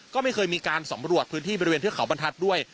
ก็ไม่เคยมีการสำรวจพื้นที่บริเวณเทือกเขาบรรทัศน์ด้วย